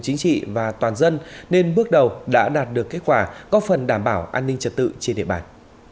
chính trị và toàn dân nên bước đầu đã đạt được kết quả có phần đảm bảo an ninh trật tự trên địa bàn